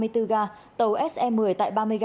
tàu se một mươi tại ba mươi